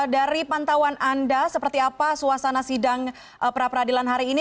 dari pantauan anda seperti apa suasana sidang pra peradilan hari ini